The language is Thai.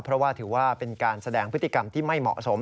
เพราะว่าถือว่าเป็นการแสดงพฤติกรรมที่ไม่เหมาะสม